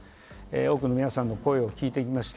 多くの皆さんの声を聞いてきました。